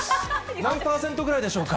何％ぐらいでしょうか。